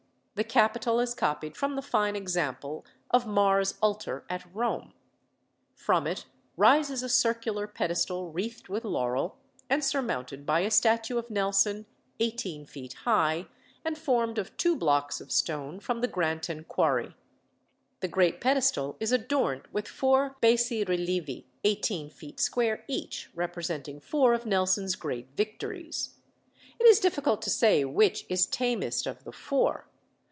The capital is copied from the fine example of Mars Ultor at Rome; from it rises a circular pedestal wreathed with laurel, and surmounted by a statue of Nelson, eighteen feet high, and formed of two blocks of stone from the Granton quarry. The great pedestal is adorned with four bassi relievi, eighteen feet square each, representing four of Nelson's great victories. It is difficult to say which is tamest of the four.